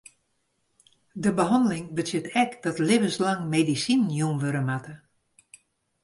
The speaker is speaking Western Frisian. De behanneling betsjut ek dat libbenslang medisinen jûn wurde moatte.